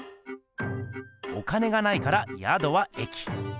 お金がないからやどは駅。